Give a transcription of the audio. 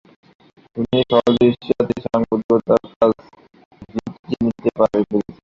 তিনি সহজেই এশিয়াতে সাংবাদিকতার কাজ জুটিয়ে নিতে পেরেছিলেন।